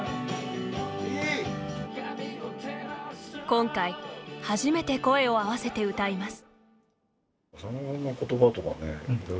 今回初めて声を合わせて歌います。